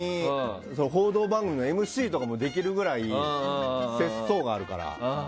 下手したら報道番組のＭＣもできるぐらい節操があるから。